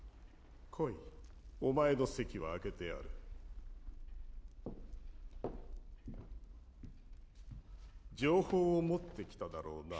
来いお前の席は空けてある情報を持ってきただろうな？